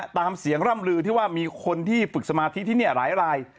ตามเสียงร่ำลือที่ว่ามีคนที่ฝึกสมาธิที่นี่หลายราย